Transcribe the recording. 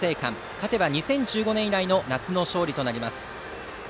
勝てば２０１５年以来の夏の勝利です。